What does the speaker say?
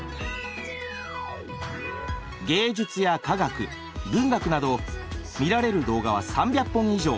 芸術や科学文学など見られる動画は３００本以上。